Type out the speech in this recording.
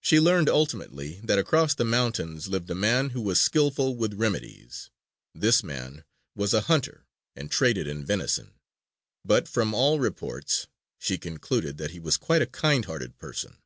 She learned ultimately that across the mountains lived a man who was skillful with remedies. This man was a hunter, and traded in venison. But, from all reports, she concluded that he was quite a kind hearted person.